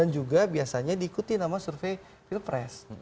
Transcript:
juga biasanya diikuti nama survei pilpres